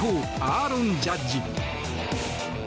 アーロン・ジャッジ。